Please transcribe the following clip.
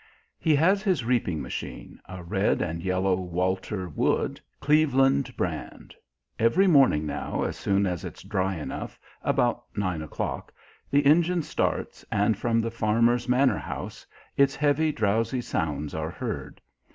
He has his reaping machine, a red and yellow "Walter Wood" Cleveland brand. Every morning now, as soon as it's dry enough, about nine o'clock, the engine starts, and from the farmer's Manor House its heavy, drowsy sounds are heard.